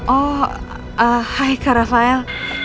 oh hai kak rafael